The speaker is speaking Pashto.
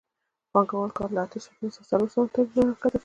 پانګوال کار له اته ساعتونو څخه څلور ساعتونو ته راښکته کوي